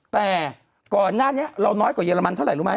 แต่ก่อนหน้านี้เราน้อยกว่าเยอรมันเท่าไหร่รู้ไหม